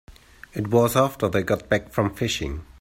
It was after they got back from fishing.